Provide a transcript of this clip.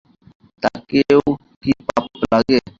তাঁকেও কি পাপ লাগে?